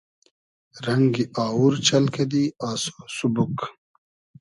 رئنگی آوور چئل کئدی آسۉ سوبوگ